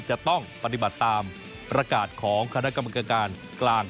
จะต้องปฏิบัติตามประกาศของคณะกรรมการกลาง